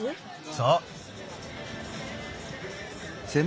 そう。